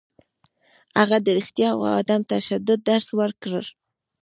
هغه د رښتیا او عدم تشدد درس ورکړ.